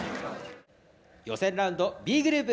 予選ラウンドＢグループ